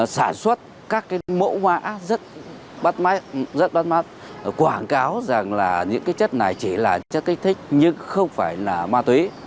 sản xuất các cái mẫu mã rất bắt mắt quảng cáo rằng là những cái chất này chỉ là chất kích thích nhưng không phải là ma túy